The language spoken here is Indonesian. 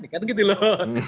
kan gitu loh